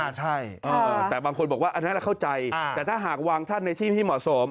ค่ะใช่แต่บางคนบอกว่านั่นน่ะคือเข้าใจแต่ถ้าหากวางท่านที่มอบศม